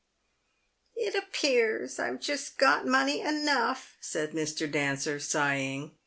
" It appears I've just got money enough," said Mr. Dancer, sigh ing.